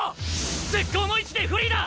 絶好の位置でフリーだ！